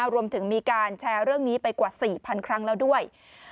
รวมถึงมีการแชร์เรื่องนี้ไปกว่า๔๐๐๐ครั้งแล้วด้วย